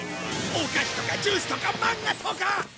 お菓子とかジュースとかマンガとか！